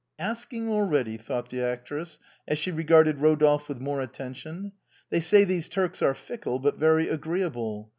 " Asking already," thought the actress, as she regarded Eodolphe with more attention, " They say these Turks are fickle, but very agreeable.